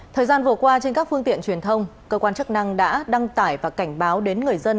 thời gian vừa qua trên các phương tiện truyền thông cơ quan chức năng đã đăng tải và cảnh báo đến người dân